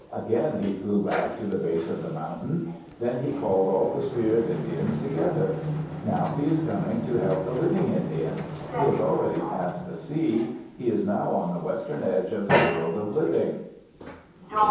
Again he flew back to the base of the mountain. Then he called all the spirit Indians together. Now he is coming to help the living Indians. He has already passed the sea. He is now on the western edge of the world of living.